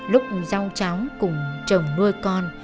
lúc giao cháu cùng chồng nuôi con